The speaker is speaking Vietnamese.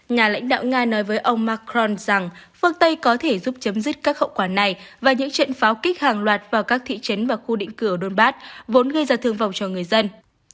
nhà lãnh đạo nga nói với ông macron rằng phương tây có thể giúp chấm dứt các hậu quả này và những trận pháo kích hàng loạt vào các thị trấn và khu định cửa donbass vốn gây ra thương vong cho người dân